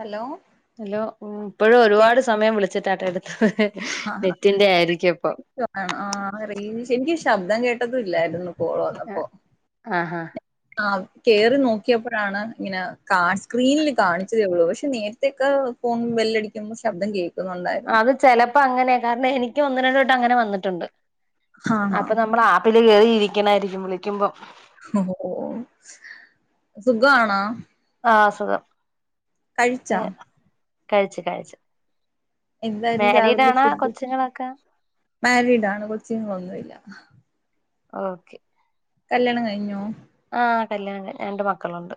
Hello hello ഇപ്പോഴും കേ ഒരുപാട് സമയം വിളിച്ചിട്ടാട്ടെ എടു ആണോ നെറ്റിന്റെ ആയിരിക്കും അപ്പൊ ആഹ് റേഞ്ച് എനിക്ക് ശബ്ദം കേട്ടതും ഇല്ലായിരുന്നു കോൾ വന്നപ്പോ ആഹാ കേറി നോക്കിയപ്പോഴാണ് ഇങ്ങനെ കാ സ്ക്രീനിൽ കാണിച്ചതേ ഉള്ളൂ പക്ഷെ നേരത്തെയോക്കെ ഫോൺ ബെ ല്ലടിക്കുന്ന ശബ്ദം കേക്ക് അത് ചിലപ്പോ അങ്ങനെയാ കാരണം എനിക്ക് ഒന്ന് രണ്ട് വട്ടം അങ്ങനെ വന്നിട്ടുണ്ട് ആണോ അപ്പൊ നമ്മൾ ആപ്പില് കേറി ഇരിക്കണായിരിക്കും വിളിക്കുമ്പം ഓഹ് സുഖണോ ആഹ് സുഖം കഴിച്ചാ കഴിച്ചു കഴിച്ചു എന്തായിരുന്നു മാരീഡ് രാവിലെ ആണോ ഫുഡ് കൊച്ചുങ്ങളൊക്കെ മാരിഡാണ് കൊച്ചുങ്ങൾ ഒന്നുല്ല ഓക്കെ കല്യാണം കഴിഞ്ഞോ ആഹ് കല്യാണം രണ്ട് മക്കളുണ്ട്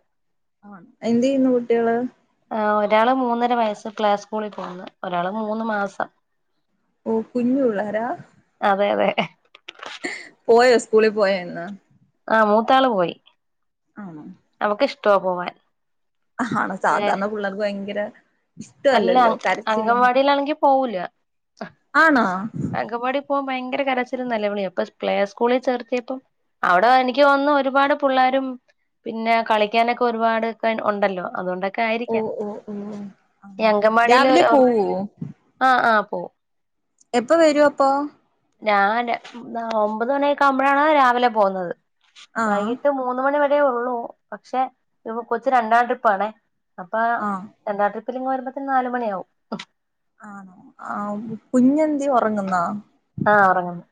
ആഹ് എന്ത്‌ ചെയ്യുന്നു കുട്ടികള് ഒരാള് മൂന്നര വയസ്സ് പ്ലൈ സ്കൂളിൽ പോകുന്ന് ഒരാള് മൂന്ന് മാസം ഓഹ് കുഞ്ഞു പിള്ളാര അതെ അതെ പോയോ സ്കൂളിൽ പോയോ ഇന്ന് ആഹ് മൂത്താള് പോയി അവക് ഇഷ്ടവാ പോവാൻ ആണാ സാധാരണ പിള്ളേർക്ക് ഭയങ്കര അല്ല ഇഷ്ടല്ലല്ലോ കരച്ചിലും അങ്കൻവാടിലാണെങ്കി പോവൂല ആണോ അംഗവാടി പോകാൻ ഭയങ്കര കരച്ചിലും നിലവിളിയുവാ അപ്പൊ പ്ലേ സ്കൂളിൽ ചേർത്തിയപ്പം അവിടെ എനിക്ക് തോന്നുന്നു ഒരുപാട് പിള്ളാരും പിന്നെ കളിക്കാനൊക്കെ ഒരുപാട് ഉണ്ടല്ലോ അതുകൊണ്ടൊക്കെ ഓ ആയിരിക്കാം ഓ ഓ ഇ ആ അഗൻവാടിയിൽ രാവിലെ അവർക്ക് പോവോ ആഹ് ആഹ് [inaudible] എപ്പൊ വരൂ അപ്പൊ [unintelligible] ഒമ്പത് മണിയൊക്കെ ആവുമ്പോഴാണ് രാവിലെ പോകുന്നത് ആഹ് വൈകീട്ട് മൂന്ന് മണി വരെ വരെ ഉള്ളൂ പക്ഷെ കൊച്ചു രണ്ടാം ട്രിപ്പ് ആണേ അപ്പൊ ആഹ് രണ്ടാം ട്രിപ്പ് പ്പിലിങ് വരുമ്പോതെന് നാലു മണിയാവും ആണോ ആ കുഞ്ഞെന്ത്യെ ഉറങ്ങുന്നാ ആഹ് ഉറങ്ങുന്നു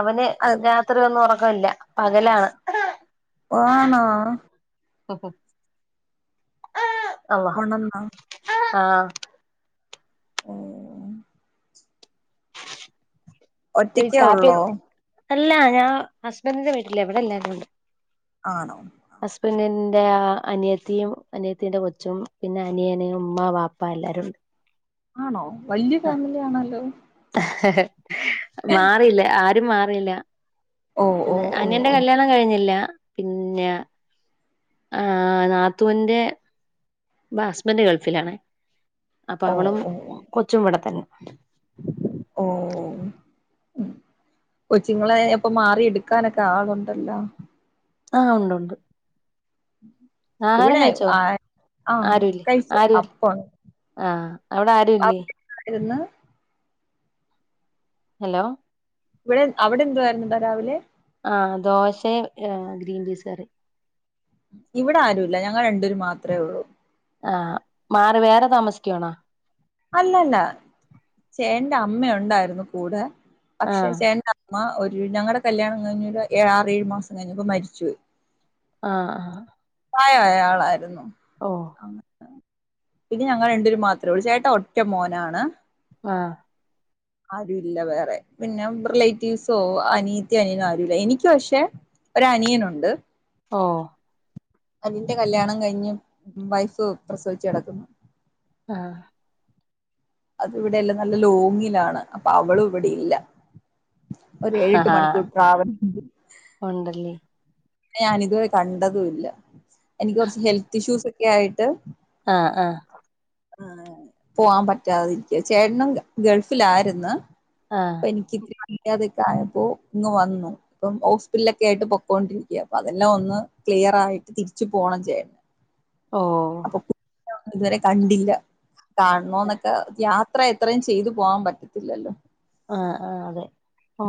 അവന് അത് രാത്രി വന്ന് ഉറക്ക്‌ യില്ല പകലാണ് ആണോ [inaudible] കൊണ്ടന്ന് ണോ ആഹ ഓ ഒറ്റക്കേ ഉള്ളോ കാപ്പിയൊക്കെ അല്ല ഞാൻ ഹസ്ബൻറിന്റെ വീട്ടിലേ എവിടെ എല്ലാവരും കൊണ്ട് ആണോ ഹസ്ബൻറി എറെ അനിയത്തിയും അനിയത്തിറെ കൊച്ചും പിന്നെ അനിയനയും ഉമ്മ വാപ്പ എല്ലാരുും ഉണ്ട് ആണോ വല്യ ഫാമിലി ആണല്ലോ മാറില്ല ആ മാറില്ല ഓ ഓ ഓ അനയന്റെ ഓ കല്യാണം കഴിഞ്ഞില്ല പിന്നെ ആഹ് നാത്തൂറെ ഹസ്ബൻഡ് ഗൾഫിലാണ അപ്പൊ അവളും ഓ ഓ കൊച്ചും ഇവിടെ തന്നെ [unintelligible] ഓ കൊച്ചിങ്ങളെ അപ്പൊ മാറി എടുക്കാനൊക്കെ ആളുണ്ടല്ലോ ആഹ് ഉണ്ട് ഉണ്ട് ആഹാരം ഇവിടെ കഴിച്ചോ ആ ആഹ് ആരുല്ലേ കഴിച്ച് ആരുല്ലേ അപ്പം ആഹ അവിടെ ആരുല്ലേ യിരുന്നു ഹലോ ഇവിടെ അവിടെ എന്തു ആായിുന്നാ രാവിലെ ആഹ ദോശ ഗ്രീൻ പീസ് കറി ഇവിടെ ആരുല്ല ഞങ്ങൾ രണ്ടൂര് മാത്രമേ ഉള്ളൂ ആഹ മാറി വേറെ താമസിക്കണോ അല്ലല്ല ചേ ട്ട ന്റെ അമ്മയ ഉണ്ടായിരുന്നു കൂടെ ആ പക്ഷെ ചേണ്ടാമ്മ ഒരു ഞങ്ങളടെ കല്യാണം കഴിഞ്ഞ ഒരു ആറ ഏഴ് മാസം കഴിഞ്ഞപ്പോ മരിച്ച പോയി ആഹ് ആഹ് ആായായ ആളായിരുന്നു ഓ പിന്നെ ഞങ്ങൾ രണ്ടരു മാത്രം ചേട്ട ഒറ്റ മോനാണ് ആഹ ആരുും ഇല്ല വേറെ പിന്നെ റിലേറ്റീവ്സോ അനീത്തി അനിയനോ ആരുല്ല എനിക്ക പക്ഷേ ഒ അനിയനുണ്ട് ഓ അതിന്റെ കല്യാണം കഴിഞ്ഞ് വൈഫ് പ്രസവിച്ച കടക്കുന്നു ആഹ് അത് ഇവിടെയല്ല നല്ല ലോങ്ങിലാണ് അപ്പൊ അവളും ഇവിടെ ഇല്ല ഒരു എഴട്ട് ആഹാ മണിക്കൂർ ട്രാവല ഉണ്ടല്ലേ ഞാാനിതുവരെ കണ്ടതല്ല എനിക്ക് കുറച്ച് ഹെൽത്ത് ഇഷ്യൂസ് ഒക്കെ ആയിട്ട് ആഹ് ആഹ് ആ പോവാൻ പറ്റാതിരിക്ക ചേട്ടനും ഗൾഫിലായിരുന്നു ആഹ് പ കി അതൊക്കപ്പോ ഇങ് വന്നു അപ്പം ഹോസ്പിറ്റലിലൊക്കെ ആയിട്ട് പൊക്കോണ്ടി അപ്പൊ അതല്ലാം ഒന്ന് ക്ലിയർ ആയിട്ട് തിരിച്ചു പോകണം ചേേ ഓ ഇതുവരെ കണ്ടില്ല കാണണോ എന്നൊക്കെ അത്ര എത്രയും ചെയ്തു പോകാൻ പറ്റത്തില്ലല്ലോ ആഹ ആ് അതെ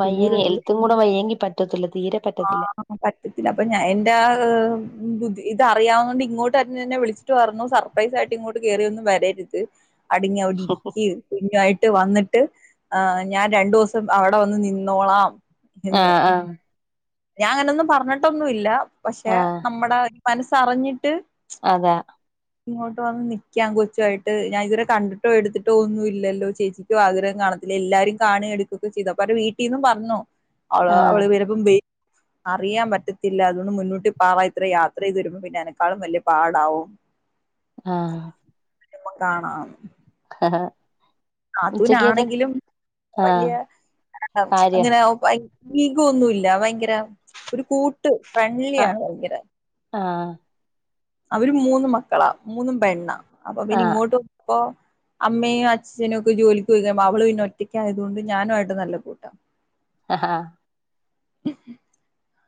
വയ്യങ്കി ദൂരമല്ല എലുത്തും കൂടെ വയ്യങ്കി പറ്റത്തില്ല തധീരെപട്ടതില്ല ആഹ് പറ്റത്തില്ല അപ്പൊ ഞാൻന്റെറെ് ബുദ്ധ ഇത് അറിയാവുന്നണ്ട് ഇങ്ങോട്ട്െെ വിളിച്ചിട്ട് പറഞ്ഞു സർപ്രൈസ ആയിട്ട് ഇങ്ങോട്ട് കയറിയ ഒന്നും വരരുത് അടങ്ങി അവിടെ ഇരിക്ക കുഞ്ഞമായിട്ട് [unintelligible] വന്നിട്ട് ആ ഞാൻ രണ്ടു ദിവസം അവിടെ വന്ന് നിന്നോളാം ആ എന്ന് ആ ഞാൻ അങ്ങനൊന്നും പറഞ്ഞിട്ടൊന്നു ഇല്ല പക്ഷെ ആഹ് നമ്മട ഈ മനസ്സറിഞ്ഞിട്ട് അതാ ഇങ്ങോട്ട് വന്ന് നിക്കാം കൊച്ചു ആയിട്ട് ഞാൻ ഇവരെ കണ്ടിട്ടോ എടുത്തിട്ടോ ഒന്നും ഇല്ലല്ലോ ചേച്ചിക്കോ ആഗ്രഹം കാണ [unintelligible] എല്ലാരും കാണെ എടുക്കൊക്കെ ചെയ്ത് അപ്പ അവരുടെ വീട്ടിന്നും പറഞ്ഞു അവ ആഹ് അവള് [unintelligible] വരുംന്ന് [inaudible] അറിയാൻ പറ്റത്തില്ല അതുകൊണ്ട് മുന്നോട്ട് പാറ ഇത്ര യാത്ര ചെയ്ത് വരുമ്പോൾ പിന്നെ അനെക്കാളും വലിയ പാടാവും ആഹ് വരുമ്പ കാണാന്ന് [unintelligible] ഉച്ചക്കത്തെ നാത്തൂനാണെങ്കിലും വല്യ ആഹ് ഇ കാര്യ ങ്ങനെ ഭയ ഈഗൊന്നുല്ല ഭയങ്കര ഒരു കൂട്ട് ഫ്രണ്ട്ലി ആഹ് ആണ് ഭയങ്കര ആഹ് അവര് മൂന്നും മക്കളാ മൂന്നും പെണ്ണാ അപ്പൊ പിന്ന ആഹ് ഇങ്ങോട്ട്പ്പോ അമ്മയും അച്ഛനും ഒക്കെ ജോലിക്ക് പോയി കഴിയുമ്പ അവള് പിന്നെ ഒറ്റയ്ക്കായതുകൊണ്ട് ഞാനു ആയിട്ട് നല്ല കൂട്ടാ ആങ്‌ഹ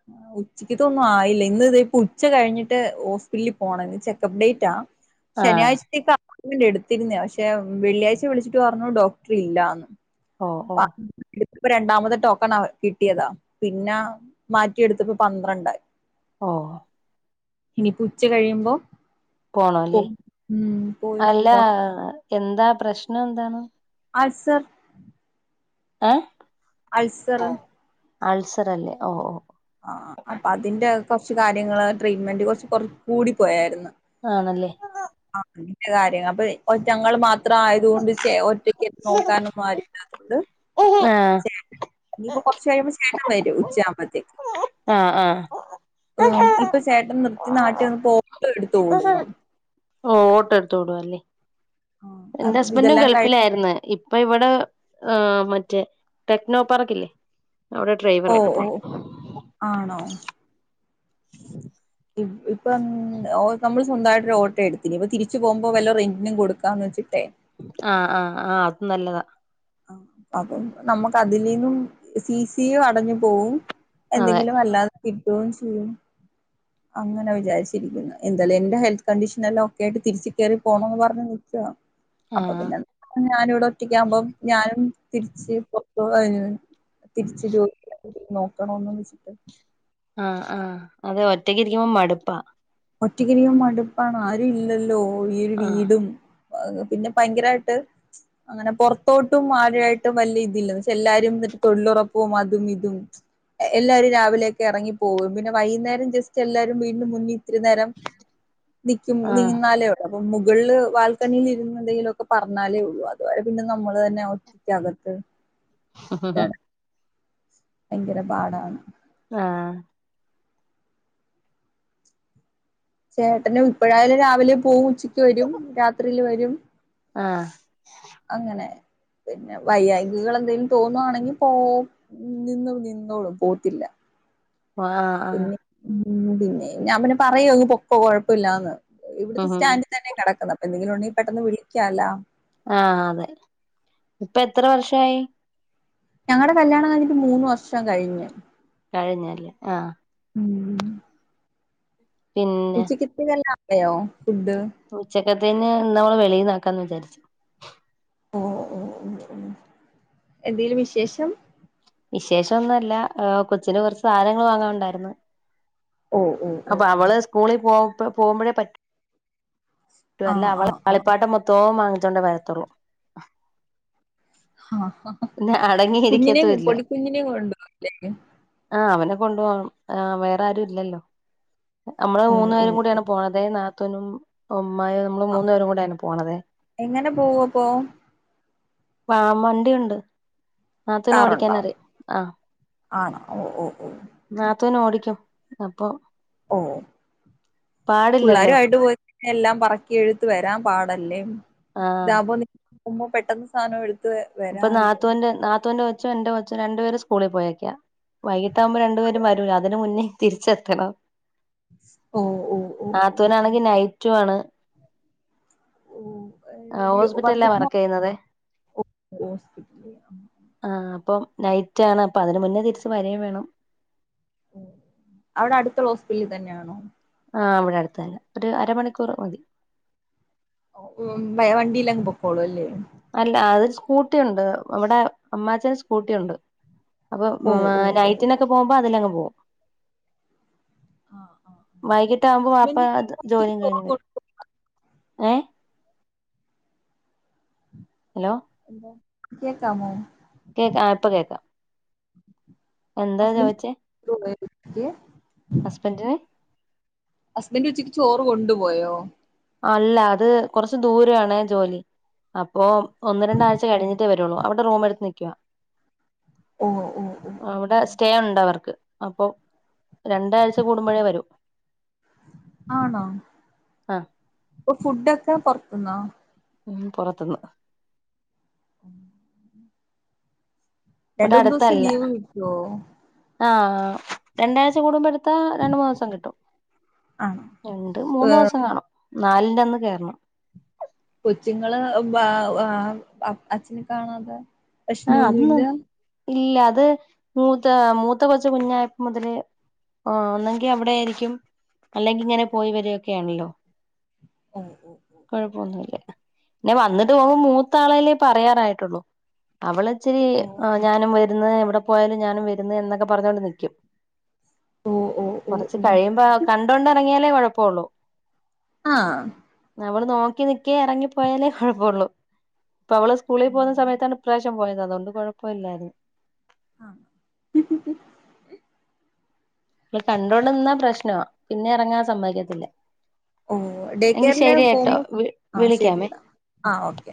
[unintelligible] ഉച്ചക്ക്ത്ത ഒന്നും ആയില്ല ഇന്ന് ഇത ഇപ്പ ഉച്ച കഴിഞ്ഞിട്ട് ഹോസ്പിറ്റലിൽ പോണംന്ന് ചെക്കപ്പ് ഡേറ്റ് ആ ആഹ് ശനിയാഴ്ചത്തേക്ക് എടുത്തിരുന്നേ പക്ഷെ വെള്ളിയാഴ്ച വിളിച്ചിട്ട് പറഞ്ഞു ഡോക്ടർ ഇല്ലാന്ന് ഓ ഓ [unintelligible] രണ്ടാമത് ടോക്കൺ ആ കിട്ടിയതാ പിന്നെ മാറ്റിയെടുത്തപ്പോ പന്ത്രണ്ടായി ഓഹ് ഇനിപ്പ ഉച്ച കഴിയുമ്പോ പോണം അല്ലേ പോവും ഉം പോയി അല്ല ഡോക്ടർ എന്താ പ്രശ്നം എന്താണ് അൾസർ ഏഹ് അൾസറ് അൾസർ അല്ലേ ഓഹ് ഓഹ് കൊറച്ച് കാര്യങ്ങള് ട്രീറ്റ്മെൻറ് കുറച്ച് കുറ കൂടിപ്പോയാരുന്നു ആണല്ലേ [unintelligible] കാര്യങ്ങ അപ്പ ഒ ഞങ്ങൾ മാത്രം ഇത്ര ആയതുകൊണ്ട് ചെ ഒറ്റക്ക് നോക്കാനൊന്നും ആരും ഇല്ല അതുകൊണ്ട് ആഹ് ചേട്ട ഇനിപ്പോ കുറച്ച് കഴിയുമ്പോ ചേട്ടൻ വരും ഉച്ച ആവുമ്പഴത്തേക്ക് ആ ആ ഇപ്പ ചേട്ടൻ നിർത്തി നാട്ടി വന്ന് ഓട്ടോ എടുത്ത് ഓടുന്നു ഓഹ് ഓട്ട എടുത്തോടുവാ അല്ലേ ആഹ് എന്റെ അപ്പൊ ഹസ്ബൻറും ഇതെല്ലാം കഴി ഗൾഫിലാര്ന്ന് ഇപ്പ ഇവട ആ മറ്റേ ടെക്നോ പാർക്കില്ലേ അവിടെ ഓ ഡ്രൈവറ് ആയിട്ട് ഓ പോണ് ആണോ ഇപ്പം [unintelligible] നമ്മൾ സ്വന്തായിട്ട് ഒരു ഓട്ടോ എടുത്തിനിപ്പ തിരി ച്ചു പോകുമ്പോ വല്ല റന്റിനും കൊടുക്കാന്ന് വെച്ചിട്ടേ ആ ആ ആ അത് നല്ലതാ ആ അപ്പം നമ്മക്ക് അതിലീന്നും സി സീം അടഞ്ഞു പോവും അതെ എന്തെങ്കിലും അല്ലാതെ കിട്ടുവോം ചെയ്യും അങ്ങനെ വിചാരിച്ചിരിക്കുന്നു എന്തായാലും എന്റെ ഹെൽത്ത് കണ്ടീഷൻ എല്ലാം ഒക്കെ ആയിട്ട് തിരിച്ച കേറി പോണംന്ന് പറഞ്ഞു നിൽക്ക അപ്പ ആഹ് പിന്നെ ഞാനിവിടെ ഒറ്റക്ക് ആകുമ്പോം ഞാനും തിരിച്ച് [unintelligible] തിരിച്ചരോ നോക്കണംന്ന് വെച്ചിട്ട് ആ ആ അതെ ഒറ്റക്ക് ഇരിക്കുമ്പം മടുപ്പാ ഒറ്റക്കിരിക്കുമ്പം മടുപ്പാണ് ആരും ഇല്ലല്ലോ ഈ ഒരു ആഹ് വീടും പിന്നെ ഭയങ്കരായിട്ട് അങ്ങനെ പൊററത്തോട്ടും ആരായിട്ടും വല്യ ഇതില്ല പക്ഷെ എല്ലാരും തൊഴിലുറപ്പും അതും ഇതും എല്ലാവരും രാവിലെയൊക്കെ ഇറങ്ങിപ്പോകും പിന്നെ വൈകുന്നേരം ജസ്റ്റ് എല്ലാരും വീണ്ടും മുന്നിൽ ഒത്തിരി നേരം നിക്കും ആഹ് ഒന്നിരുന്നാലെഉള്ളൂ അപ്പം മുകളിൽ ബാൽക്കണിൽ ഇരുന്ന് എന്തെങ്കിലുമൊക്കെ പറഞ്ഞാലെ ഉള്ളൂ അതുവരെ പിന്നെ നമ്മൾ തന്നെ ഒറ്റയ്ക്കകത്ത് [unintelligible] [unintelligible] ഭയങ്കര പാടാണ് ആഹ് ചേട്ടന് ഇപ്പഴായാലും രാവിലെ പോവും ഉച്ചക്ക് വരും രാത്രിയില് വരും ആഹ് അങ്ങനെ പിന്നെ വൈയ്യായ്കകൾ എന്തെങ്കിലും തോന്നുവാണെങ്കിൽ പോ നിന്നും നിന്നോളും പോത്തില്ല ആഹ് ആഹ് ഉഉം പിന്നെ ഞാൻ പിന്നെ പറയും അങ്ങ് പൊക്കോ കൊഴപ്പില്ലാന്ന് ഇവിടത്തെ ആഹ് സ്റ്റാൻഡ് തന്നെ കിടക്കുന്നെ എന്തെങ്കിലും ഉണ്ടെങ്കിൽ പെട്ടെന്ന് വിളിക്കാലാ ആഹ് അതെ ഇപ്പ എത്ര വർഷയി ഞങ്ങടെ കല്യാണം കഴിഞ്ഞിട്ട് മൂന്ന് വർഷം കഴിഞ്ഞു കഴിഞ്ഞല്ലേ ആ ഉം പിന്നെ ഉച്ചക്കിത്തിരി നല്ല [unintelligible] ഉച്ചക്കത്തേന് ഇന്നമ്മള് വെളിയിന്നാക്കാന്ന് വിചാരിച്ചു ഓ ഓ എന്തേലും വിശേഷം വിശേഷൊന്നല്ല കൊച്ചിന് കൊറച്ച് സാധനങ്ങൾ വാങ്ങാനുണ്ടായിരുന്നു ഓ ഓ ഓ അപ്പൊ ഓ അവള് സ്കൂളി പോവും പ്പൊ പോകുമ്പോഴേ പറ്റു ആ ക്കുവെല്ല ആ അവളെ ആ കളിപ്പാട്ടം മൊത്തോം വാങ്ങി ച്ചോണ്ടേ വരത്തുള്ളൂ ആ പിന്നെ കുഞ്ഞിനേം അടങ്ങിയിരിക്കത്തും പൊടിക്കുഞ്ഞിനെ കൊണ്ടുപോവത്തില്ലേ ആ അവനെ കൊണ്ടു പോണം ആ വേറെ ആരുല്ലല്ലോ നമ്മള് ഓ മൂന്നു ഓ പേരും ഓ കൂടിയാണ് പോണതെ നാത്തൂനും അമ്മായി നമ്മള് ആ മൂന്നു പേരും കൂടെയാണ് പോണത് എങ്ങനെ പോവും അപ്പോ വാ വണ്ടിയുണ്ട് കാറുണ്ടോ നാത്തൂനോടിക്കാനറിയാം ആ ആണോ ഓ ഓ ഓ നാത്തൂനോടിക്കും അപ്പൊ ഓ പിള്ളാരു പാടില്ലല്ലോ ആയിട്ട് പോയികഴിഞ്ഞാൽ എല്ലാം പറക്കി എടുത്ത് വരാം പാടല്ലേ ആഹ് ഇതാകുമ്പോ പെട്ടെന്ന് സാധനം എടു ഇപ്പൊ നാത്തൂന്റെ നാത്തൂന്റെ കൊച്ചും എന്റെ കൊച്ചും രണ്ടുപേര് സ് സ്കൂളിൽ പോയേക്കാ വൈകിട്ടാകുമ്പോ രണ്ടുപേരും വരൂല്ലോ അതിന് മുന്നേ തിരിച്ചെത്തണം ഓ ഓ ഓ ഓ നാത്തൂനാണെങ്കി നൈറ്റുആണ് ഹോസ്പിറ്റലിലാ വർക്ക് ചെയ്യുന്നതേ [unintelligible] ഹോസ്പിറ്റൽ നൈറ്റാണ് അപ്പൊ അതിന് മുന്നേ തിരിച്ച് വരേം വേണം അവടെ അടുത്തുള്ള ഹോസ്പിറ്റലിൽ തന്നെയാണോ ആ വിടെ അടുത്തന്നെ ഒരു അരമണിക്കൂർ മതി പോണല്ലേ അല്ല അത് സ്കൂട്ടി ഉണ്ട് നമ്മടെ അമ്മാച്ചന് സ്കൂട്ടിയുണ്ട് അപ്പൊ ഓ ഓ ഓ നൈറ്റിനൊക്കെ പോകുമ്പോ അതിലങ്ങ് പോകും ആ ആ ആ വൈകിട്ട് ആകുമ്പോ വാപ്പ ഹസ്ബൻഡ് ഇനി ത് ഹോസ്പിറ്റലിൽ ജോലിയും കഴിഞ്ഞ് വരും പോകുന്നുണ്ടോ? ഏ ഹലോ കേക്കാമോ കേക്കാ ഇപ്പ കേക്കാ ഹസ്ബന്റ് [unintelligible] ഹസ്ബന്റ് ഹസ്ബൻഡുച്ചക്ക് ചോറ് കൊണ്ടുപോയോ? അല്ല, അത് കൊറച്ച് ദൂരെയാണേ ജോലി. അപ്പൊ ഒന്ന് രണ്ടാഴ്ച്ച കഴിഞ്ഞിട്ടേ വരൊള്ളൂ. അവടെ റൂമെടുത്ത് നിക്കുവാ. ഓ ഓ ഓ അവിടെ ഓ സ്റ്റേയൊണ്ടവർക്ക്. അപ്പൊ രണ്ടാഴ്ച്ച കൂടുമ്പോഴേ വരൂ. ആണോ ആ പ്പൊ ഫുഡൊക്കെ പൊറത്തുന്നോ? ഉം പൊറത്തുന്ന് ഉം ഇവിടെ രണ്ടൂന്ന് ദീസം ലീവ് കിട്ടോ ആാാ രണ്ടാഴ്ച്ച കൂടുമ്പോട് ത്ത രണ്ടു മാസം കിട്ടും. ആണോ രണ്ട്, മൂന്ന് മാസം കാണും. നാലിന്റെ അന്ന് കേറണം കൊച്ചുങ്ങള് വ് വ് അച്ഛനെ കാണാതെ. ആ അതൊന്ന് പ്രാശ്നോന്ന്ല്ല. ഇല്ല. അത് മൂത്ത മൂത്ത കൊച്ച് കുഞ്ഞായപ്പമുതലേ ഓ ഒന്നെങ്കി അവടെയായിരിക്കും. അല്ലെങ്കിയിങ്ങനെ പോയിവരൊക്കെയാണല്ലോ. അ പിന്നെ വന്നതും അവും മൂത്താളല്ലേ പറയാറായിട്ടൊള്ളൂ. അവളിച്ചിരി ഓ ഞാനും വെരു ന്ന് എവിടെ പോയാലും ഞാനും വെരുന്ന് എന്നൊക്കെ പറഞ്ഞോണ്ട് നിക്കും. ഓ ഓ ഓ ഓ കൊറച്ച് ഓ കഴിയുമ്പോ കണ്ടോണ്ടെറങ്ങിയാലേ കൊഴപ്പൊള്ളൂ. ആഹ് അവ്ള് നോക്കി നിക്കേ ഇറങ്ങിപ്പോയാലേ കൊഴപ്പൊള്ളൂ. ഇപ്പ അവള് സ്കൂളി പോകുന്ന ഓ സമയത്താണ് പ്രാശം പോയത്. അതൊണ്ട് കൊഴപ്പൂല്ലായിരുന്ന് ആഹ് ള് കണ്ടോണ്ട് നിന്നാ പ്രശ്നവാ പിന്നെറങ്ങാൻ സമ്മതിക്കത്തില്ല. ഓ ഡേ എങ്കി കെയറില് ശെരി കെട്ടോ പോകുമ്പോ വി ആഹ് വിളിക്കാമേ. ശരിടാ ആഹ് ഓക്കെ